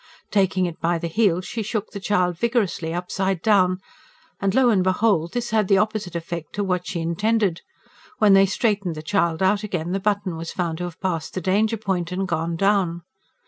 Taking it by the heels she shook the child vigorously, upside down; and, lo and behold! this had the opposite effect to what she intended. When they straightened the child out again the button was found to have passed the danger point and gone down.